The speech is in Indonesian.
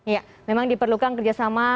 ya memang diperlukan kerjasama